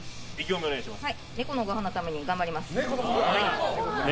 猫のごはんのために頑張ります。